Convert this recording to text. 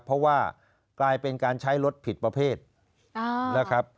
เพราะว่ากลายเป็นการใช้รถผิดประเภทนะครับ